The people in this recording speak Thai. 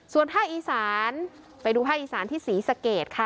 ส่วนภาคอีสานไปดูภาคอีสานที่ศรีสะเกดค่ะ